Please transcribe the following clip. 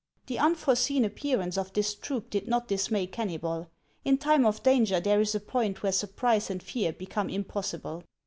The unforeseen appearance of this troop did not dismay Kennybol. In time of danger there is a point where sur prise and fear become impossible.